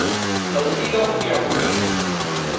老師都好友善⠀